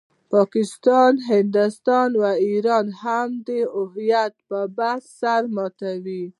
پاکستان، هندوستان او ایران هم د هویت پر بحث سر ماتوي.